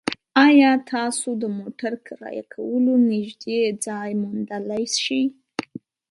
ایا تاسو د موټر کرایه کولو نږدې ځای موندلی شئ؟